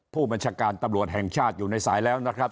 ผู้บัญชาการตำรวจแห่งชาติอยู่ในสายแล้วนะครับ